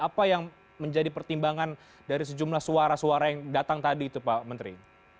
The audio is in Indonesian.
apa yang menjadi pertimbangan dari sejumlah suara suara yang datang tadi itu pak menteri